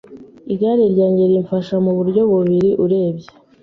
Igare ryanjye rimfasha mu buryo bubiri urebye